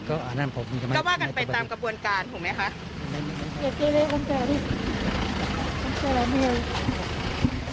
ก็อ่านั่นคุณพ่อก็ว่ากันไปตามกระบวนการถูกไหมค่ะ